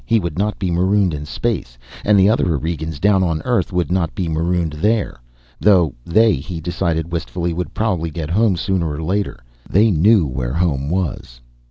He would not be marooned in space. And the other Aurigeans, down on Earth, would not be marooned there. Though they, he decided wistfully, would probably get home sooner or later. They knew where home was.